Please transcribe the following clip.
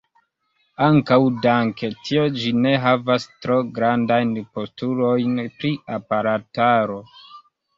Ankaŭ danke tio ĝi ne havas tro grandajn postulojn pri aparataro.